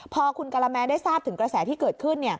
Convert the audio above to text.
พอคุณกะละแม้ได้ทราบถึงกระแสที่เกิดขึ้น